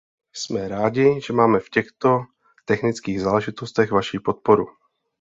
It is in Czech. Jsme rádi, že máme v těchto technických záležitostech vaši podporu.